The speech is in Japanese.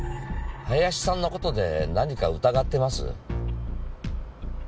林さんのことで何か疑ってます？